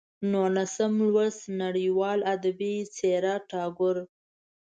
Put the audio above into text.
نولسم لوست: نړیواله ادبي څېره ټاګور